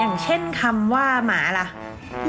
อย่างเช่นคำว่าหมาล่ะ